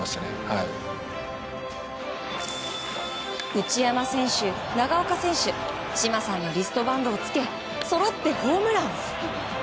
内山選手、長岡選手嶋さんのリストバンドを着けそろってホームラン！